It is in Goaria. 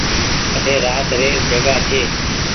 اٺي رات ري ر جگآ ڇي۔